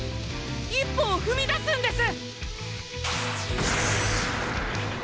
一歩をふみ出すんです！